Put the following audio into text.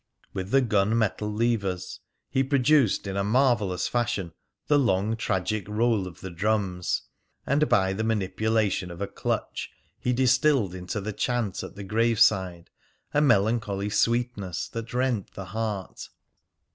With the gun metal levers he produced in a marvellous fashion the long tragic roll of the drums, and by the manipulation of a clutch he distilled into the chant at the graveside a melancholy sweetness that rent the heart.